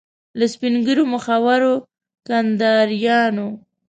له سپین ږیرو مخورو کنداریانو.